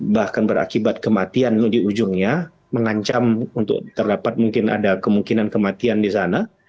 bahkan berakibat kematian di ujungnya mengancam untuk terdapat mungkin ada kemungkinan kematian di sana